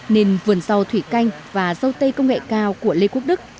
nền vườn rau thủy canh và râu tây công nghệ cao của lê quốc đức